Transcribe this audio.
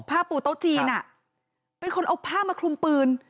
ผ้าปูโต๊ะจีนเป็นคนเอาผ้ามาคลุมปืน